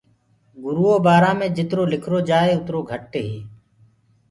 گُرو بآرآ مي جِترو لِکرو جآئي اُترو گھٽ هي۔